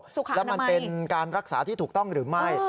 แล้วมันเป็นการรักษาที่ถูกต้องหรือไม่